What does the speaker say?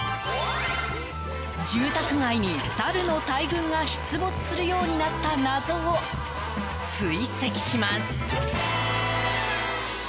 住宅街にサルの大群が出没するようになった謎を追跡します。